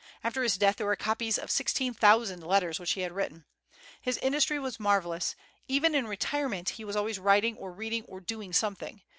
After his death there were copies of sixteen thousand letters which he had written. His industry was marvellous; even in retirement he was always writing or reading or doing something.